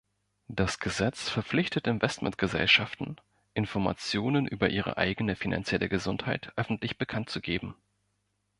Das Gesetz verpflichtet Investmentgesellschaften, Informationen über ihre eigene finanzielle Gesundheit öffentlich bekannt zu geben.